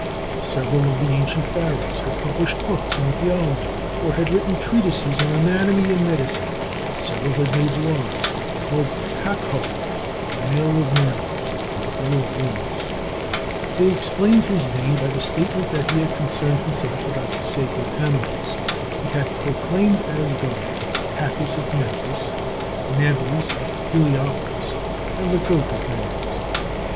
Several of the ancient Pharaohs had published books on theology, or had written treatises on anatomy and medicine; several had made laws called Kakôû, the male of males, or the bull of bulls. They explained his name by the statement that he had concerned himself about the sacred animals; he had proclaimed as gods, Hapis of Memphis, Mnevis of Heliopolis, and the goat of Mendes.